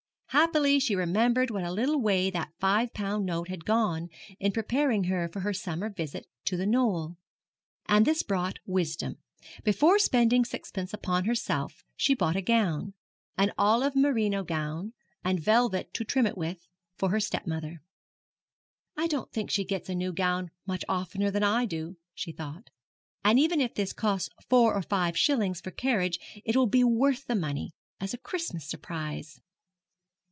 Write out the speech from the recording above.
Happily she remembered what a little way that five pound note had gone in preparing her for her summer visit to The Knoll, and this brought wisdom. Before spending sixpence upon herself she bought a gown an olive merino gown, and velvet to trim it withal for her stepmother. 'I don't think she gets a new gown much oftener than I do,' she thought; 'and even if this costs four or five shillings for carriage it will be worth the money, as a Christmas surprise.'